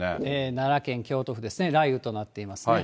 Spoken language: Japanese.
奈良県、京都府ですね、雷雨となっていますね。